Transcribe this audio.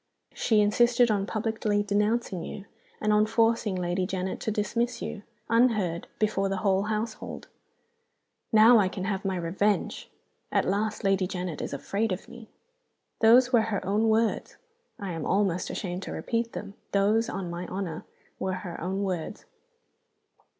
She insisted on publicly denouncing you, and on forcing Lady Janet to dismiss you, unheard, before the whole household! 'Now I can have my revenge! At last Lady Janet is afraid of me!' Those were her own words I am almost ashamed to repeat them those, on my honor, were her own words!